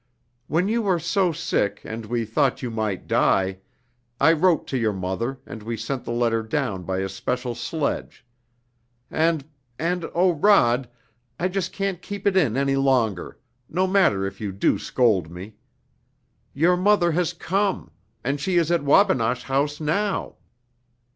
"When you were so sick, and we thought you might die, I wrote to your mother and we sent the letter down by a special sledge. And and oh, Rod, I just can't keep it in any longer, no matter if you do scold me! Your mother has come and she is at Wabinosh House now!"